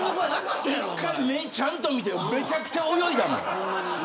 １回、目ちゃんとみてめちゃくちゃ泳いだもん。